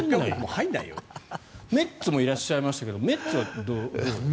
メッツもいらっしゃいましたけどメッツはどうですか？